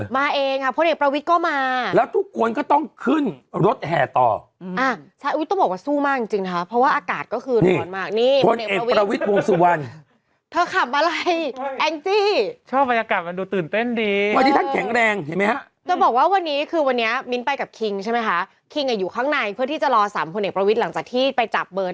มีคุ้นใจอ้าฟังหน่อยมั้ยฮะนานนาทีจะสับป้าสักที